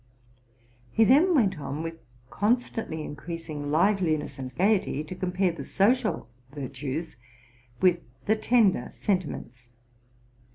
'' He then went on with constantly increasing liveliness and gayety to compare the social virtues with the tender senti ments.